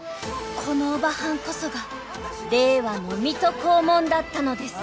［このオバハンこそが令和の水戸黄門だったのです］